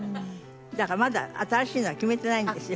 だからまだ新しいのは決めてないんですよ。